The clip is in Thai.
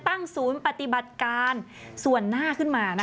ตั้งศูนย์ปฏิบัติการส่วนหน้าขึ้นมา